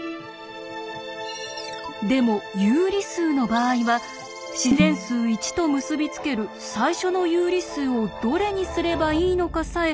でも有理数の場合は自然数「１」と結び付ける最初の有理数をどれにすればいいのかさえ